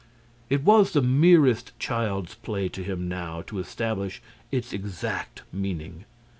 It was the merest child's play to him now to establish its exact meaning.